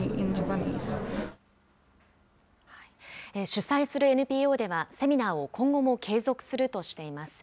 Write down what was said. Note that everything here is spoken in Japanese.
主催するＮＰＯでは、セミナーを今後も継続するとしています。